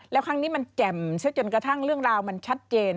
แล้วครั้งนี้มันแจ่มซะจนกระทั่งเรื่องราวมันชัดเจน